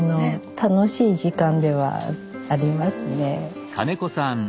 楽しい時間ではありますね。